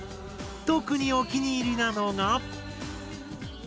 特にお気に入りなのが。